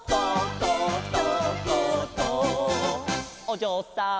「おじょうさん」